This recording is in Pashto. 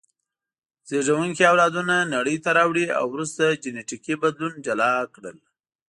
زېږوونکي اولادونه نړۍ ته راوړي او وروسته جینټیکي بدلون جلا کړل.